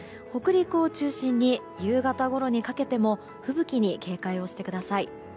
北陸を中心に夕方ごろにかけても吹雪に警戒をしてください。